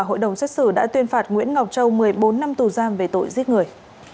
hội đồng xét xử đã tuyên phạt nguyễn ngọc châu một mươi bốn năm tù giam về tội giết người